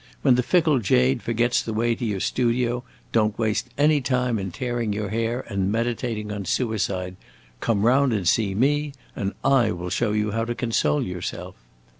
When the fickle jade forgets the way to your studio, don't waste any time in tearing your hair and meditating on suicide. Come round and see me, and I will show you how to console yourself."